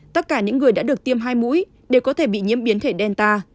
tất cả những người đã được tiêm hai mũi đều có thể bị nhiễm biến thể delta